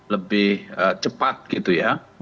lebih cepat gitu ya